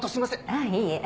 ああいいえ。